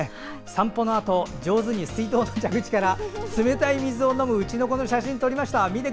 散歩のあと上手に水道の蛇口から冷たい水を飲むうちの子の写真を撮りました。